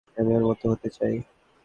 আমি ওর মতো হতে চাই।